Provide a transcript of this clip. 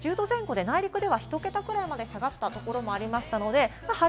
１０度前後で、内陸では、ひと桁くらいまで下がった所もありました。